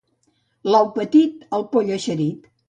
L'ou petit, el poll eixerit.